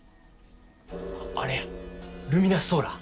あっあれやルミナスソーラー？